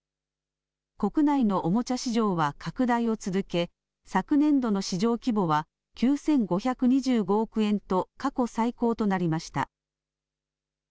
国内のおもちゃ市場は拡大を続け、昨年度の市場規模は９５２５億円と、過去最高となりました。